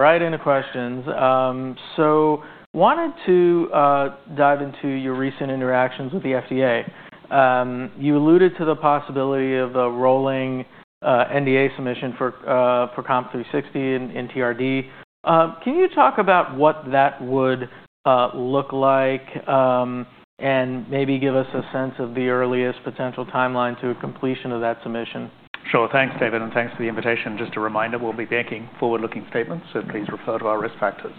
Right into questions. Wanted to dive into your recent interactions with the FDA. You alluded to the possibility of a rolling NDA submission for COMP360 and TRD. Can you talk about what that would look like, and maybe give us a sense of the earliest potential timeline to completion of that submission? Sure. Thanks, David, and thanks for the invitation. Just a reminder, we'll be making forward-looking statements, so please refer to our risk factors.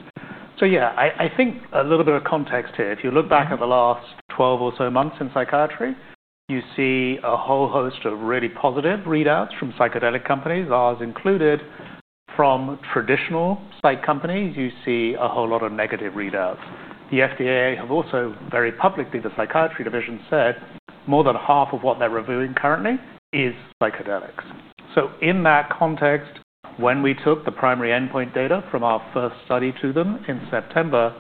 So, yeah, I, I think a little bit of context here. If you look back at the last 12 or so months in psychiatry, you see a whole host of really positive readouts from psychedelic companies, ours included. From traditional psych companies, you see a whole lot of negative readouts. The FDA have also very publicly, the psychiatry division said, more than half of what they're reviewing currently is psychedelics. So in that context, when we took the primary endpoint data from our first study to them in September,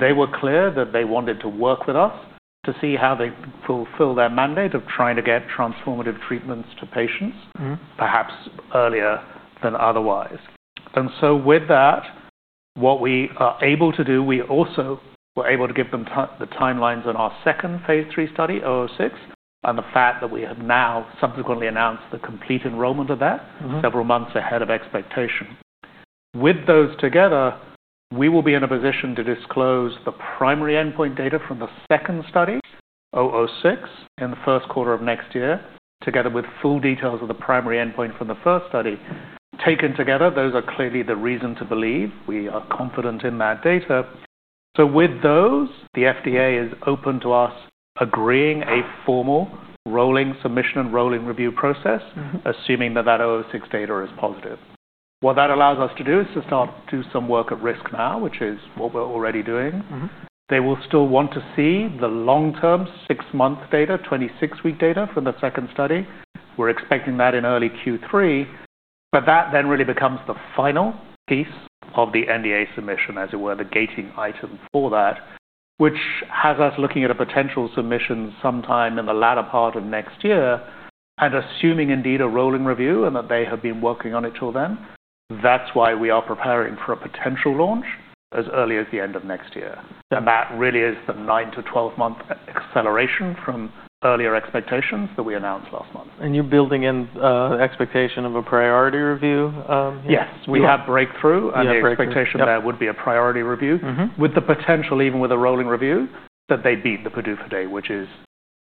they were clear that they wanted to work with us to see how they fulfill their mandate of trying to get transformative treatments to patients. Perhaps earlier than otherwise. And so with that, what we are able to do, we also were able to give them the timelines on our second Phase III study, 006, and the fact that we have now subsequently announced the complete enrollment of that several months ahead of expectation. With those together, we will be in a position to disclose the primary endpoint data from the second study, 006, in the first quarter of next year, together with full details of the primary endpoint from the first study. Taken together, those are clearly the reason to believe we are confident in that data. So with those, the FDA is open to us agreeing a formal rolling submission and rolling review process. Assuming that that 006 data is positive. What that allows us to do is to start to do some work at risk now, which is what we're already doing. They will still want to see the long-term six-month data, 26-week data from the second study. We're expecting that in early Q3, but that then really becomes the final piece of the NDA submission, as it were, the gating item for that, which has us looking at a potential submission sometime in the latter part of next year, and assuming indeed a rolling review and that they have been working on it till then. That's why we are preparing for a potential launch as early as the end of next year, and that really is the 9-12-month acceleration from earlier expectations that we announced last month. You're building in expectation of a priority review here? Yes. We have breakthrough. Yes, breakthrough. The expectation that would be a priority review. With the potential, even with a rolling review, that they beat the PDUFA date, which is,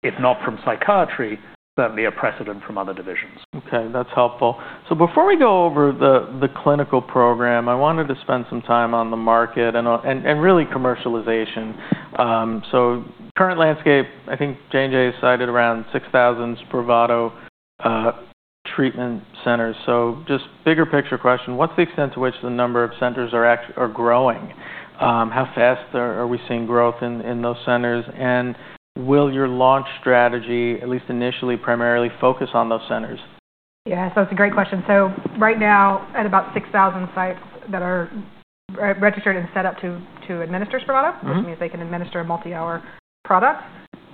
if not from psychiatry, certainly a precedent from other divisions. Okay. That's helpful. So before we go over the clinical program, I wanted to spend some time on the market and really commercialization. So current landscape, I think J&J has cited around 6,000 Spravato treatment centers. So just bigger picture question, what's the extent to which the number of centers are actually growing? How fast are we seeing growth in those centers? And will your launch strategy, at least initially, primarily focus on those centers? Yeah. So that's a great question. So right now, at about 6,000 sites that are registered and set up to administer Spravato. Mm-hmm. Which means they can administer a multi-hour product.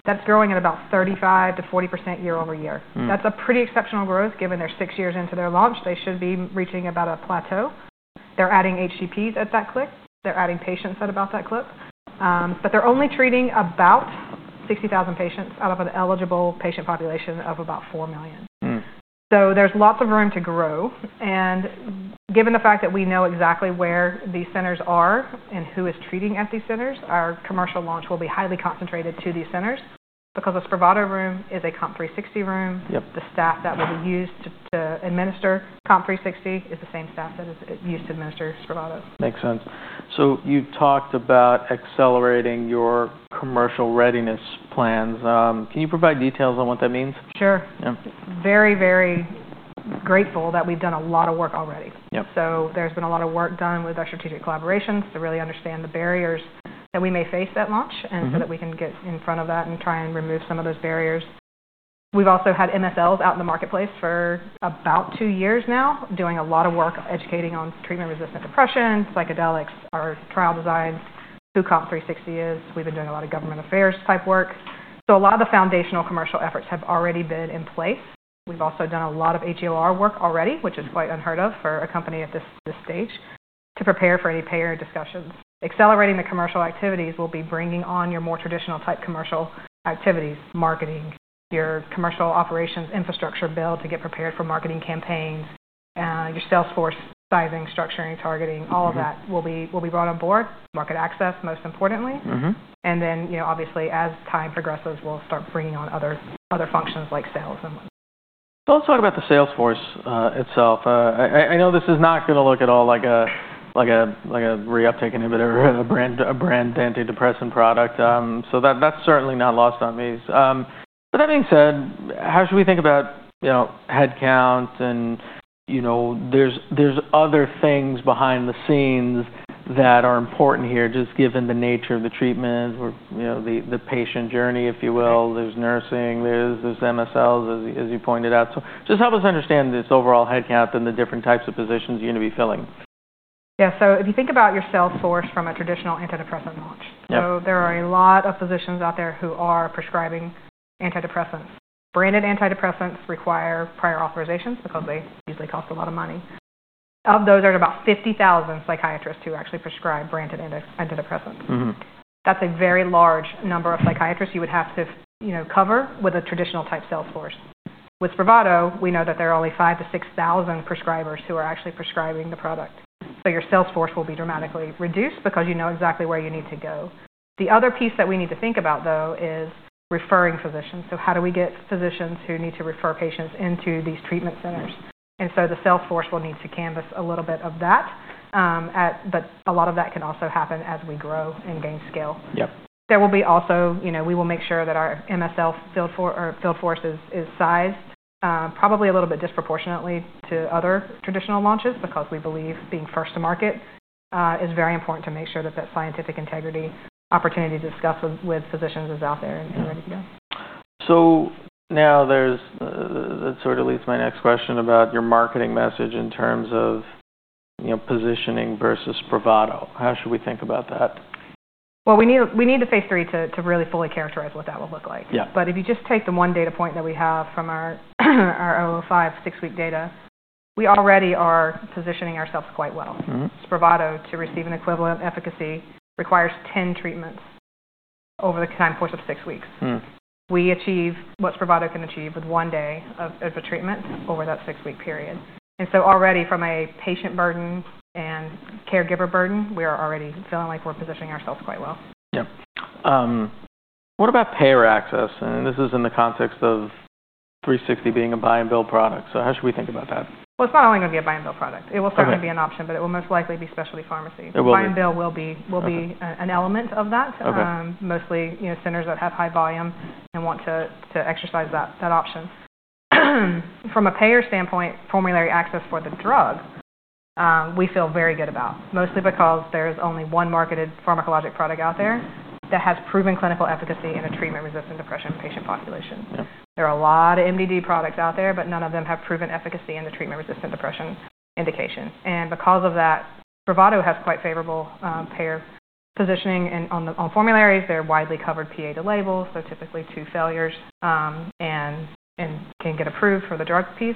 That's growing at about 35%-40% year over year. Mm-hmm. That's a pretty exceptional growth. Given they're six years into their launch, they should be reaching about a plateau. They're adding HCPs at that clip. They're adding patients at about that clip, but they're only treating about 60,000 patients out of an eligible patient population of about 4 million, so there's lots of room to grow, and given the fact that we know exactly where these centers are and who is treating at these centers, our commercial launch will be highly concentrated to these centers because the Spravato room is a COMP360 room. Yep. The staff that will be used to administer COMP360 is the same staff that is used to administer Spravato. Makes sense. So you talked about accelerating your commercial readiness plans. Can you provide details on what that means? Sure. Yeah. Very, very grateful that we've done a lot of work already. Yep. So there's been a lot of work done with our strategic collaborations to really understand the barriers that we may face at launch and so that we can get in front of that and try and remove some of those barriers. We've also had MSLs out in the marketplace for about two years now, doing a lot of work educating on treatment-resistant depression, psychedelics, our trial designs, who COMP360 is. We've been doing a lot of government affairs type work. So a lot of the foundational commercial efforts have already been in place. We've also done a lot of HEOR work already, which is quite unheard of for a company at this stage, to prepare for any payer discussions. Accelerating the commercial activities will be bringing on your more traditional type commercial activities, marketing, your commercial operations infrastructure build to get prepared for marketing campaigns, your sales force sizing, structuring, targeting. All of that will be brought on board. Market access most importantly. Mm-hmm. And then, you know, obviously, as time progresses, we'll start bringing on other functions like sales and. So let's talk about the sales force itself. I know this is not gonna look at all like a reuptake inhibitor or a branded antidepressant product. So that's certainly not lost on me. But that being said, how should we think about, you know, headcount and, you know, there's other things behind the scenes that are important here, just given the nature of the treatment or, you know, the patient journey, if you will. There's nursing, there's MSLs, as you pointed out. So just help us understand this overall headcount and the different types of positions you're gonna be filling. Yeah. So if you think about your sales force from a traditional antidepressant launch. Yep. So there are a lot of physicians out there who are prescribing antidepressants. Branded antidepressants require prior authorizations because they usually cost a lot of money. Of those, there are about 50,000 psychiatrists who actually prescribe branded antidepressants. Mm-hmm. That's a very large number of psychiatrists you would have to, you know, cover with a traditional type sales force. With Spravato, we know that there are only 5,000 to 6,000 prescribers who are actually prescribing the product, so your sales force will be dramatically reduced because you know exactly where you need to go. The other piece that we need to think about, though, is referring physicians, so how do we get physicians who need to refer patients into these treatment centers, and so the sales force will need to canvass a little bit of that, but a lot of that can also happen as we grow and gain scale. Yep. There will also be, you know, we will make sure that our MSL field force is sized, probably a little bit disproportionately to other traditional launches because we believe being first to market is very important to make sure that scientific integrity opportunity to discuss with physicians is out there and ready to go. So now, that sort of leads my next question about your marketing message in terms of, you know, positioning versus Spravato. How should we think about that? We need the Phase III to really fully characterize what that will look like. Yeah. But if you just take the one data point that we have from our 005 six-week data, we already are positioning ourselves quite well. Mm-hmm. Spravato, to receive an equivalent efficacy, requires 10 treatments over the time course of six weeks. We achieve what Spravato can achieve with one day of a treatment over that six-week period. And so already from a patient burden and caregiver burden, we are already feeling like we're positioning ourselves quite well. Yep. What about payer access? And this is in the context of 360 being a buy-and-bill product. So how should we think about that? It's not only gonna be a buy-and-bill product. Okay. It will certainly be an option, but it will most likely be specialty pharmacy. It will be. The buy-and-bill will be an element of that. Okay. Mostly, you know, centers that have high volume and want to exercise that option. From a payer standpoint, formulary access for the drug, we feel very good about, mostly because there's only one marketed pharmacologic product out there that has proven clinical efficacy in a treatment-resistant depression patient population. Yep. There are a lot of MDD products out there, but none of them have proven efficacy in the treatment-resistant depression indication. And because of that, Spravato has quite favorable payer positioning and on formularies. They're widely covered PA to label, so typically two failures, and can get approved for the drug piece.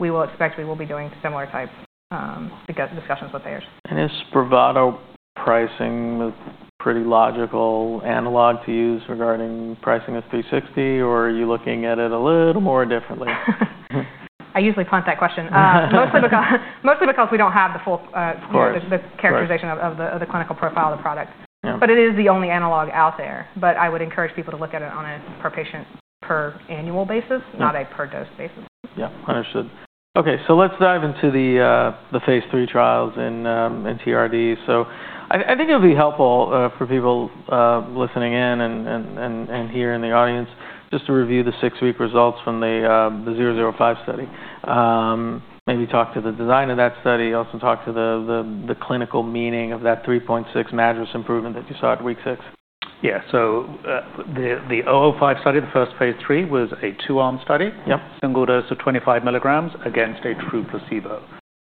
We expect we will be doing similar type discussions with payers. Is Spravato pricing pretty logical analog to use regarding pricing of 360, or are you looking at it a little more differently? I usually punt that question. Yeah. mostly because we don't have the full, Of course. The characterization of the clinical profile of the product. Yeah. But it is the only analog out there. But I would encourage people to look at it on a per patient, per annual basis. Mm-hmm. Not a per dose basis. Yep. Understood. Okay. So let's dive into the Phase III trials in TRD. So I think it'll be helpful for people listening in and here in the audience just to review the six-week results from the COMP005 study. Maybe talk to the design of that study. Also talk to the clinical meaning of that 3.6 MADRS improvement that you saw at week six. Yeah. So, the 005 study, the first Phase III, was a two-arm study. Yep. Single dose of 25 milligrams against a true placebo.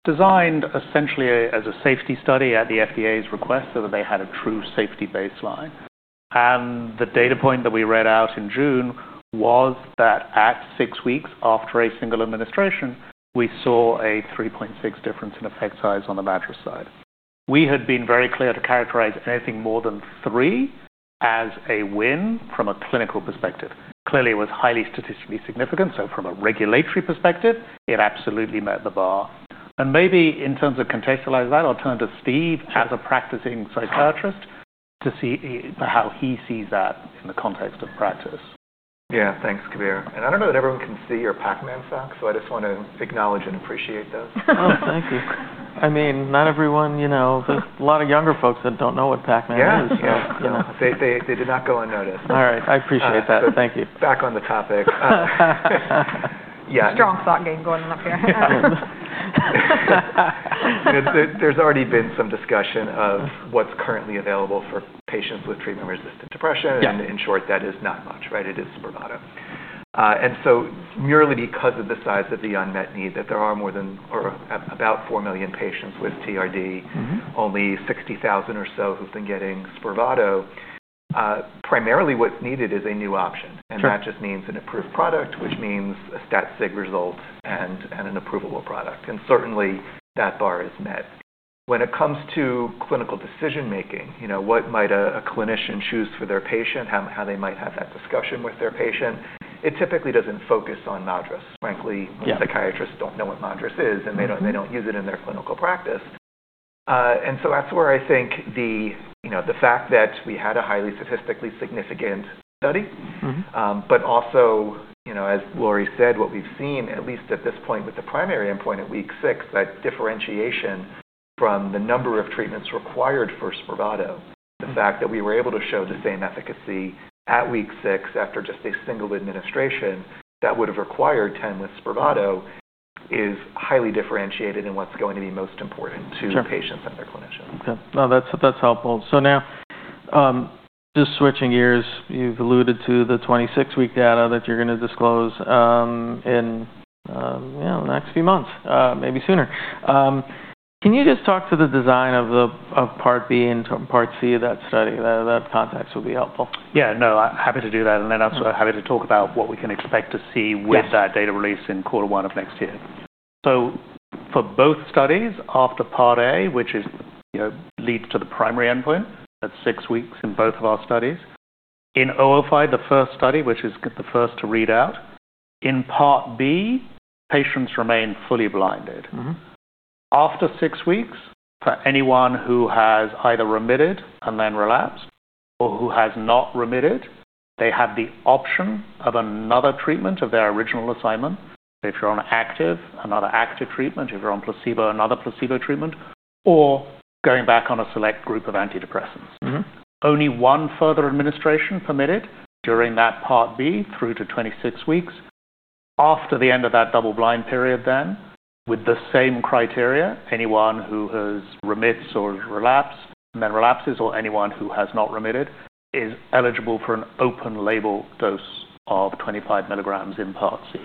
Designed essentially as a safety study at the FDA's request so that they had a true safety baseline. And the data point that we read out in June was that at six weeks after a single administration, we saw a 3.6 difference in effect size on the madros side. We had been very clear to characterize anything more than three as a win from a clinical perspective. Clearly, it was highly statistically significant. So from a regulatory perspective, it absolutely met the bar. And maybe in terms of contextualize that, I'll turn to Steve as a practicing psychiatrist to see how he sees that in the context of practice. Yeah. Thanks, Kabir, and I don't know that everyone can see your Pacman socks, so I just wanna acknowledge and appreciate those. Oh, thank you. I mean, not everyone, you know, there's a lot of younger folks that don't know what Pacman is. Yes. You know, they did not go unnoticed. All right. I appreciate that. Thank you. Back on the topic. Yeah. Strong thought game going on up here. There's already been some discussion of what's currently available for patients with treatment-resistant depression. Yeah. And in short, that is not much, right? It is Spravato. And so merely because of the size of the unmet need that there are more than or about four million patients with TRD. Mm-hmm. Only 60,000 or so who've been getting Spravato. Primarily what's needed is a new option. Sure. That just means an approved product, which means a stat-sig result and an approval of product. Certainly, that bar is met. When it comes to clinical decision-making, you know, what might a clinician choose for their patient, how they might have that discussion with their patient, it typically doesn't focus on MADRS. Frankly. Yeah. Psychiatrists don't know what MADRS is, and they don't. Yeah. They don't use it in their clinical practice, and so that's where I think the, you know, the fact that we had a highly statistically significant study. Mm-hmm. But also, you know, as Lori said, what we've seen, at least at this point with the primary endpoint at week six, that differentiation from the number of treatments required for Spravato, the fact that we were able to show the same efficacy at week six after just a single administration that would've required 10 with Spravato is highly differentiated in what's going to be most important to. Sure. Patients and their clinicians. Okay. No, that's, that's helpful. So now, just switching gears, you've alluded to the 26-week data that you're gonna disclose, in, you know, the next few months, maybe sooner. Can you just talk to the design of the, of Part B and Part C of that study? That, that context would be helpful. Yeah. No, I'm happy to do that. And then I'm also happy to talk about what we can expect to see with. Yes. That data release in quarter one of next year. So for both studies after Part A, which is, you know, leads to the primary endpoint, that's six weeks in both of our studies. In 005, the first study, which is the first to read out, in Part B, patients remain fully blinded. Mm-hmm. After six weeks, for anyone who has either remitted and then relapsed or who has not remitted, they have the option of another treatment of their original assignment. If you're on active, another active treatment. If you're on placebo, another placebo treatment, or going back on a select group of antidepressants. Mm-hmm. Only one further administration permitted during that Part B through to 26 weeks. After the end of that double-blind period, then, with the same criteria, anyone who has remitted or relapsed and then relapses or anyone who has not remitted is eligible for an open label dose of 25 milligrams in Part C.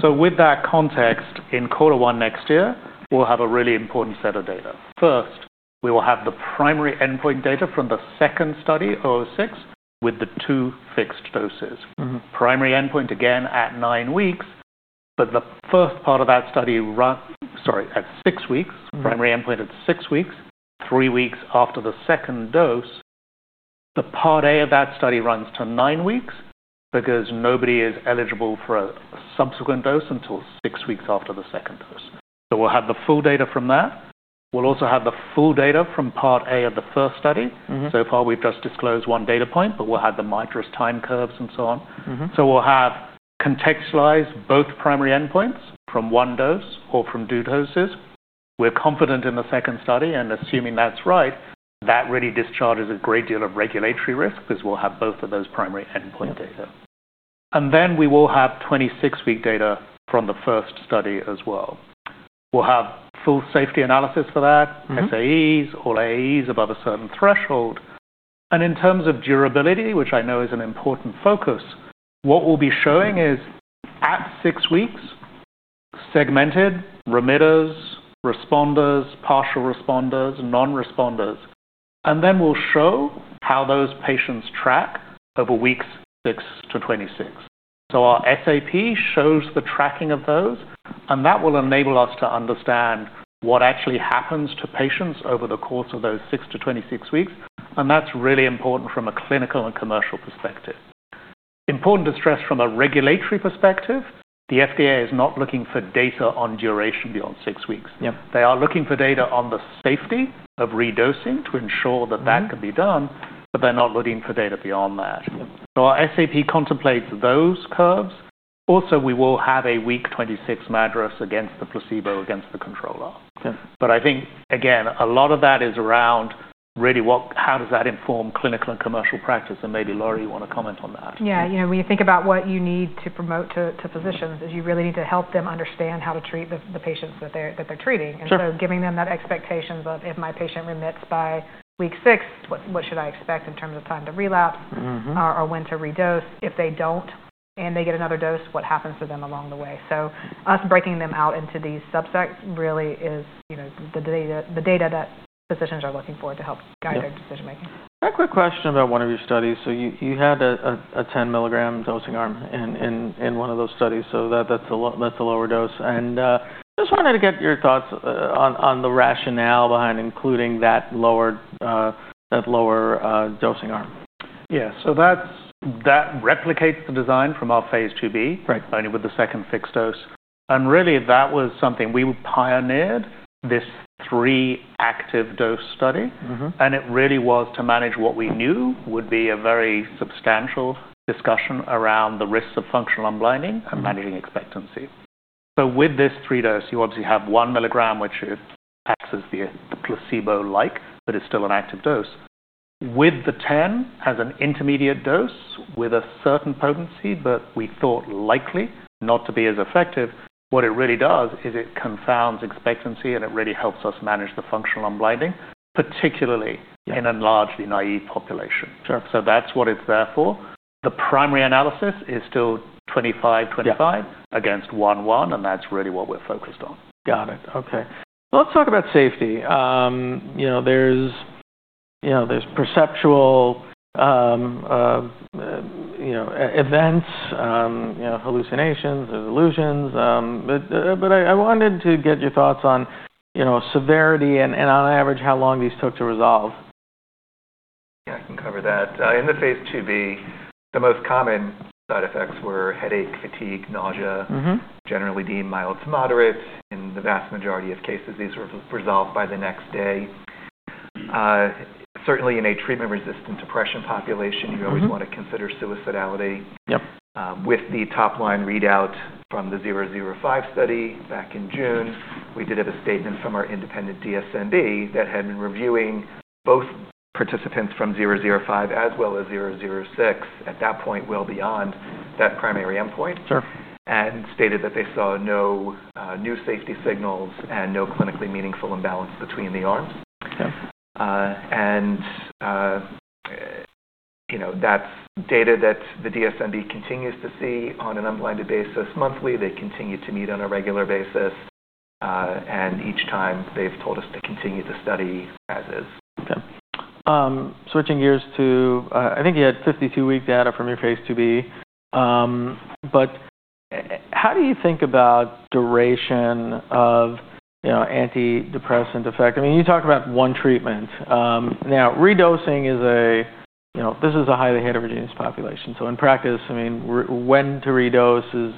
So with that context, in quarter one next year, we'll have a really important set of data. First, we will have the primary endpoint data from the second study, COMP006, with the two fixed doses. Mm-hmm. Primary endpoint, again, at nine weeks. But the first part of that study run, sorry, at six weeks. Mm-hmm. Primary endpoint at six weeks. Three weeks after the second dose, the Part A of that study runs to nine weeks because nobody is eligible for a subsequent dose until six weeks after the second dose. So we'll have the full data from that. We'll also have the full data from Part A of the first study. Mm-hmm. So far, we've just disclosed one data point, but we'll have the MADRS time curves and so on. Mm-hmm. So we'll have contextualized both primary endpoints from one dose or from two doses. We're confident in the second study, and assuming that's right, that really discharges a great deal of regulatory risk because we'll have both of those primary endpoint data. And then we will have 26-week data from the first study as well. We'll have full safety analysis for that. Mm-hmm. SAEs or AEs above a certain threshold. And in terms of durability, which I know is an important focus, what we'll be showing is at six weeks, segmented remitters, responders, partial responders, non-responders. And then we'll show how those patients track over weeks six to 26. So our SAP shows the tracking of those, and that will enable us to understand what actually happens to patients over the course of those six to 26 weeks. And that's really important from a clinical and commercial perspective. Important to stress from a regulatory perspective, the FDA is not looking for data on duration beyond six weeks. Yep. They are looking for data on the safety of redosing to ensure that that can be done, but they're not looking for data beyond that. Yep. So our SAP contemplates those curves. Also, we will have a week 26 MADRS against the placebo, against the controller. Yep. But I think, again, a lot of that is around really what, how does that inform clinical and commercial practice. And maybe Lori, you wanna comment on that? Yeah. You know, when you think about what you need to promote to physicians is you really need to help them understand how to treat the patients that they're treating. Sure. Giving them that expectations of, if my patient remits by week six, what, what should I expect in terms of time to relapse? Mm-hmm. Or when to redose. If they don't and they get another dose, what happens to them along the way? So us breaking them out into these subsets really is, you know, the data, the data that physicians are looking for to help guide their decision-making. A quick question about one of your studies. So you had a 10 milligram dosing arm in one of those studies. So that's a lower dose. And just wanted to get your thoughts on the rationale behind including that lower dosing arm. Yeah. So that's that replicates the design from our Phase IIb. Right. Only with the second fixed dose, and really, that was something we pioneered, this three active dose study. Mm-hmm. It really was to manage what we knew would be a very substantial discussion around the risks of functional unblinding and managing expectancy. With this three-dose, you obviously have 1 milligram, which acts as the placebo-like, but it's still an active dose. With the 10 as an intermediate dose with a certain potency, but we thought likely not to be as effective, what it really does is it confounds expectancy, and it really helps us manage the functional unblinding, particularly. Yep. In a largely naive population. Sure. So that's what it's there for. The primary analysis is still 25, 25. Yep. Against one, one, and that's really what we're focused on. Got it. Okay. Well, let's talk about safety. You know, there's, you know, perceptual events, you know, hallucinations or delusions. But I wanted to get your thoughts on, you know, severity and on average, how long these took to resolve. Yeah. I can cover that. In the Phase IIb, the most common side effects were headache, fatigue, nausea. Mm-hmm. Generally deemed mild to moderate. In the vast majority of cases, these were resolved by the next day. Certainly in a treatment-resistant depression population, you always wanna consider suicidality. Yep. With the top-line readout from the 005 study back in June, we did have a statement from our independent DSMB that had been reviewing both participants from 005 as well as 006 at that point, well beyond that primary endpoint. Sure. Stated that they saw no new safety signals and no clinically meaningful imbalance between the arms. Okay. And, you know, that's data that the DSMB continues to see on an unblinded basis monthly. They continue to meet on a regular basis. And each time they've told us to continue the study as is. Okay. Switching gears to, I think you had 52-week data from your Phase IIb. But how do you think about duration of, you know, antidepressant effect? I mean, you talked about one treatment. Now, redosing is a, you know, this is a highly heterogeneous population. So in practice, I mean, when to redose is,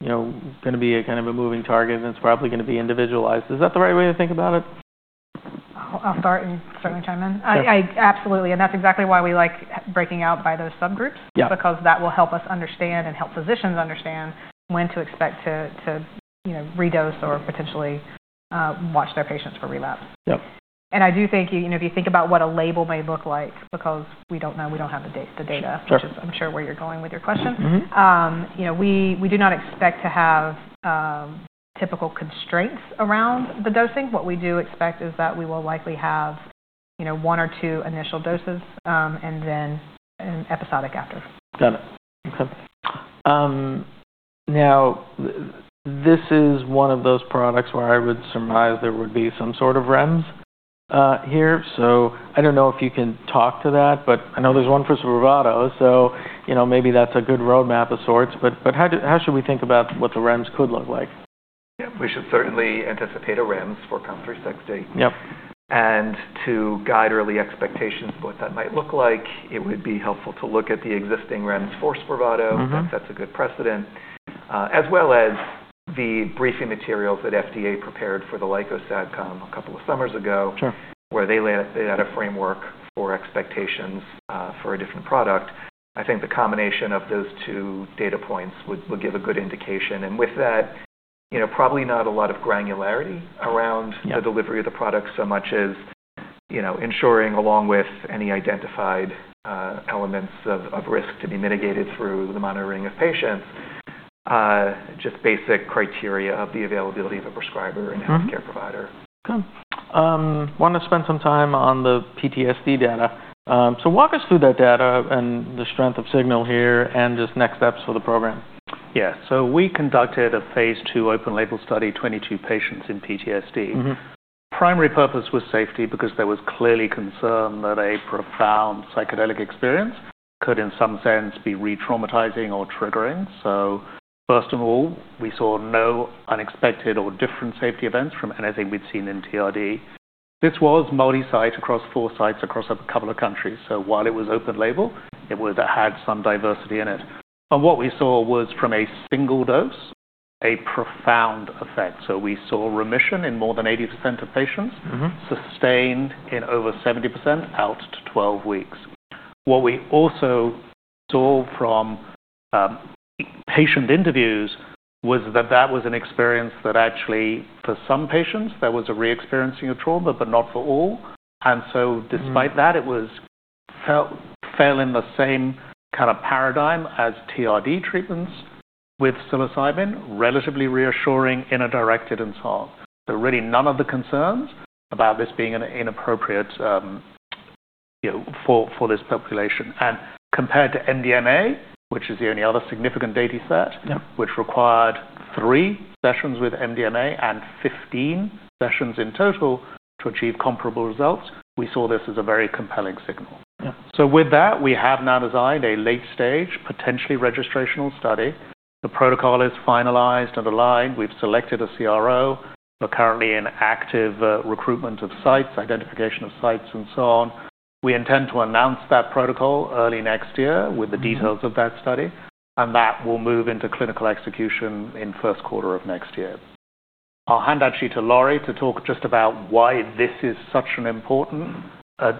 you know, gonna be a kind of a moving target, and it's probably gonna be individualized. Is that the right way to think about it? I'll start and certainly chime in. Yeah. I absolutely, and that's exactly why we like breaking out by those subgroups. Yep. Because that will help us understand and help physicians understand when to expect to, you know, redose or potentially, watch their patients for relapse. Yep. I do think, you know, if you think about what a label may look like, because we don't know. We don't have the data. Sure. Which is, I'm sure, where you're going with your question. Mm-hmm. You know, we do not expect to have typical constraints around the dosing. What we do expect is that we will likely have, you know, one or two initial doses, and then an episodic after. Got it. Okay. Now, this is one of those products where I would surmise there would be some sort of REMS here. So I don't know if you can talk to that, but I know there's one for Spravato. So, you know, maybe that's a good roadmap of sorts. But how should we think about what the REMS could look like? Yeah. We should certainly anticipate a REMS for COMP360. Yep. To guide early expectations of what that might look like, it would be helpful to look at the existing REMS for Spravato. Mm-hmm. That sets a good precedent, as well as the briefing materials that FDA prepared for the Lykos ad com a couple of summers ago. Sure. Where they laid out, they had a framework for expectations for a different product. I think the combination of those two data points would give a good indication. With that, you know, probably not a lot of granularity around. Yep. The delivery of the product so much as, you know, ensuring along with any identified elements of risk to be mitigated through the monitoring of patients, just basic criteria of the availability of a prescriber and healthcare provider. Okay. Wanna spend some time on the PTSD data, so walk us through that data and the strength of signal here and just next steps for the program. Yeah. So we conducted a Phase II open label study, 22 patients in PTSD. Mm-hmm. Primary purpose was safety because there was clearly concern that a profound psychedelic experience could, in some sense, be retraumatizing or triggering. So first of all, we saw no unexpected or different safety events from anything we'd seen in TRD. This was multi-site across four sites across a couple of countries. So while it was open label, it was, it had some diversity in it. And what we saw was from a single dose, a profound effect. So we saw remission in more than 80% of patients. Mm-hmm. Sustained in over 70% out to 12 weeks. What we also saw from patient interviews was that that was an experience that actually, for some patients, there was a re-experiencing of trauma, but not for all. And so despite that, it was felt, fell in the same kind of paradigm as TRD treatments with psilocybin, relatively reassuring, inner-directed, and so on. So really none of the concerns about this being an inappropriate, you know, for this population. And compared to MDMA, which is the only other significant dataset. Yep. Which required three sessions with MDMA and 15 sessions in total to achieve comparable results, we saw this as a very compelling signal. Yep. So with that, we have now designed a late-stage, potentially registrational study. The protocol is finalized and aligned. We've selected a CRO. We're currently in active recruitment of sites, identification of sites, and so on. We intend to announce that protocol early next year with the details of that study, and that will move into clinical execution in first quarter of next year. I'll hand actually to Lori to talk just about why this is such an important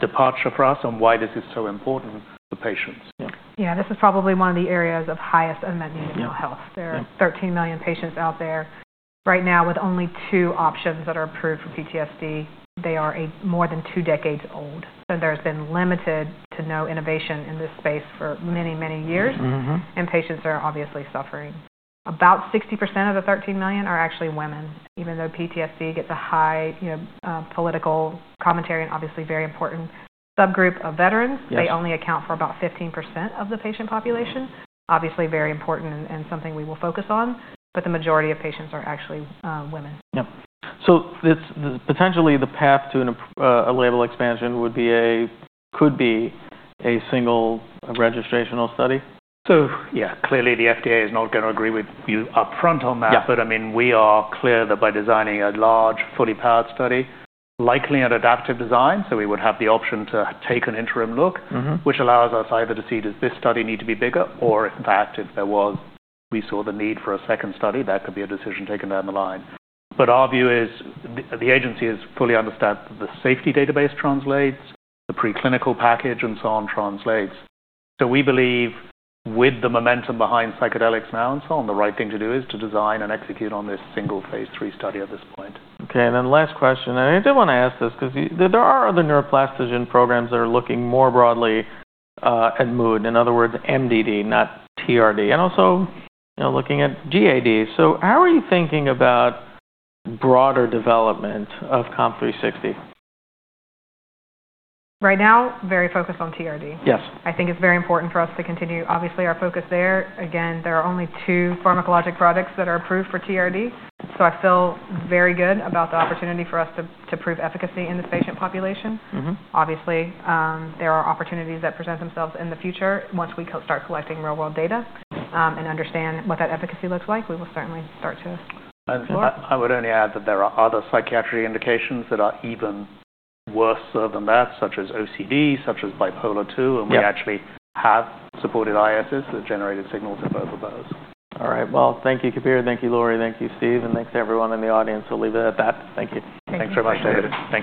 departure for us and why this is so important for patients. Yep. Yeah. This is probably one of the areas of highest unmet need of mental health. Yep. There are 13 million patients out there right now with only two options that are approved for PTSD. They are more than two decades old. So there's been limited to no innovation in this space for many, many years. Mm-hmm. Patients are obviously suffering. About 60% of the 13 million are actually women, even though PTSD gets a high, you know, political commentary and obviously very important subgroup of veterans. Yep. They only account for about 15% of the patient population. Obviously very important and, and something we will focus on, but the majority of patients are actually women. Yep. So this, the potentially the path to an FDA label expansion would be, could be a single registrational study? So yeah. Clearly, the FDA is not gonna agree with you upfront on that. Yep. But I mean, we are clear that by designing a large, fully-powered study, likely an adaptive design, so we would have the option to take an interim look. Mm-hmm. Which allows us either to see does this study need to be bigger or if in fact, if there was, we saw the need for a second study, that could be a decision taken down the line. But our view is the agency is fully understands that the safety database translates, the preclinical package, and so on translates. So we believe with the momentum behind psychedelics now and so on, the right thing to do is to design and execute on this single Phase III study at this point. Okay. And then last question. And I did wanna ask this 'cause you're there, there are other neuroplasticism programs that are looking more broadly, at mood. In other words, MDD, not TRD. And also, you know, looking at GAD. So how are you thinking about broader development of COMP360? Right now, very focused on TRD. Yes. I think it's very important for us to continue, obviously, our focus there. Again, there are only two pharmacologic products that are approved for TRD. So I feel very good about the opportunity for us to prove efficacy in this patient population. Mm-hmm. Obviously, there are opportunities that present themselves in the future once we start collecting real-world data, and understand what that efficacy looks like. We will certainly start to. And. Well. I would only add that there are other psychiatry indications that are even worse than that, such as OCD, such as bipolar II. Yep. We actually have supported ISS that generated signals in both of those. All right. Well, thank you, Kabir. Thank you, Lori. Thank you, Steve, and thanks to everyone in the audience. We'll leave it at that. Thank you. Thank you. Thanks very much, David. Thank you.